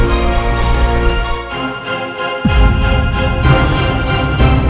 itu kayak pening